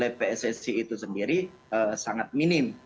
yang diberikan oleh pssi itu sendiri sangat minim